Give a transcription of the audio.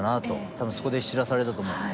多分そこで知らされたと思うので。